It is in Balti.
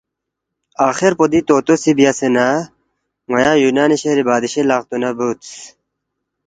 آخر پو دی طوطو سی بیاسے نہ ن٘ا یُونان شہری بادشی لقتُو نہ بُودس